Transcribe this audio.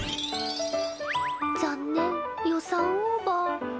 残念予算オーバー。